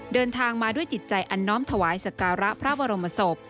เดินทางมาด้วยจิตใจอันน้อมถวายสการะพระบรมศพ